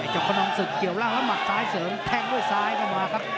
จับขนมศึกเกี่ยวแล้วมักซ้ายเสริมแทงด้วยซ้ายเข้ามาครับ